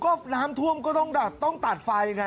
ก็น้ำท่วมก็ต้องตัดไฟไง